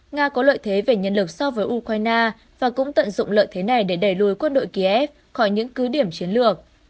nga có lợi thế về nhân lực so với ukraine và cũng tận dụng lợi thế này để đẩy lùi quân đội kiev khỏi những cứ điểm chiến lược